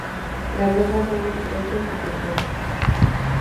Las hojas son estrechas y pequeñas.